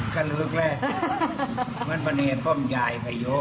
คุณยายชิงก็เลยให้อภัย